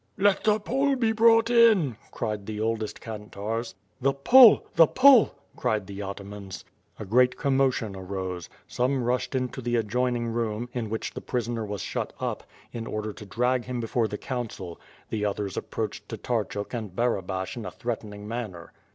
'' "Let the I'ole be brought in!'' cried the oldest Kantarz. "The Pole! The Pole!" cried the atamans. A great commotion arose. Some rushed into the adjoining room, in which the prisoner was shut up, in order to drag him before the council; the others approached Tatarchuk and Barabash in a threatening manner.